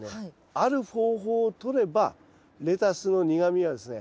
ある方法をとればレタスの苦みはですね